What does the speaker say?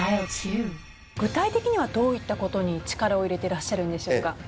具体的にはどういったことに力を入れてらっしゃるんでしょうか？